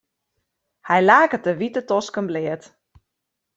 Hy laket de wite tosken bleat.